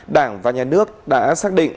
đảng và nhà nước đã xác định